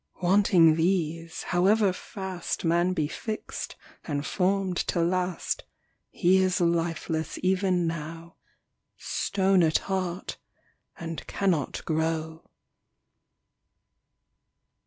Wanting these, however fast Man be fix'd and form'd to last, He is lifeless even now, Stone at heart, and cannot grow.